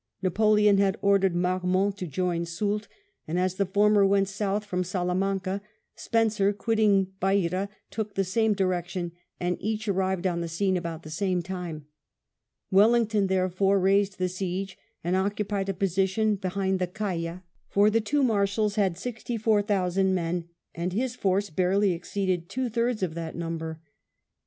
Napoleon had ordered Marmont to join Soult, and as the former went south from Salamanca Spencer quitting Beira took the same direction, and each arrived on the scene about the same time. Wellington, therefore, raised the siege, and occupied a position behind the Caya, for the two Marshals had sixty four thousand men, and his force barely exceeded two thirds of that number.